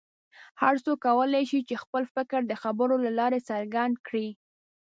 هر څوک کولی شي چې خپل فکر د خبرو له لارې څرګند کړي.